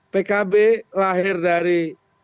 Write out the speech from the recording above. pkb lahir dari